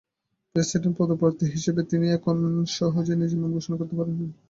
President পদপ্রার্থী হিসেবে তিনি এখন সহজেই নিজের নাম ঘোষণা করতে পারবেন।